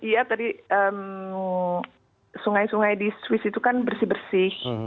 iya tadi sungai sungai di swiss itu kan bersih bersih